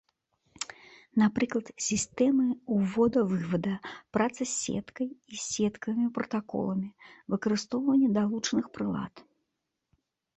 Напрыклад сістэмы ўвода-вывада, праца з сеткай і сеткавымі пратаколамі, выкарыстоўванне далучаных прылад.